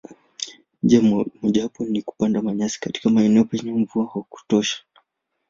Njia mojawapo ni kupanda manyasi katika maeneo penye mvua wa kutosha.